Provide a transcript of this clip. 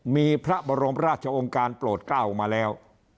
มีพระบรมราชองค์การโปรดกล้าวมาแล้ว